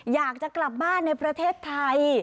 อยากจะกลับบ้านในประเทศไทย